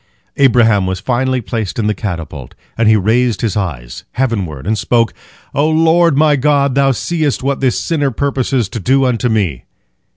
Abraham was finally placed in the catapult, and he raised his eyes heavenward, and spoke, "O Lord my God, Thou seest what this sinner purposes to do unto me!"